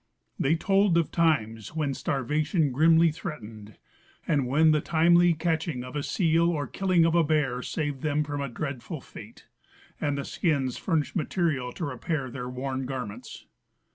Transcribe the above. They told of times when starvation grimly threatened and when the timely catching of a seal or killing of a bear saved them from a dreadful fate, and the skins furnished material to repair their worn garments.